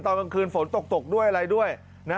ตอนกลางคืนฝนตกด้วยอะไรด้วยนะ